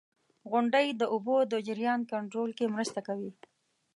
• غونډۍ د اوبو د جریان کنټرول کې مرسته کوي.